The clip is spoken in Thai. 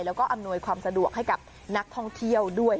แล้วก็อำนวยความสะดวกให้กับนักท่องเที่ยวด้วย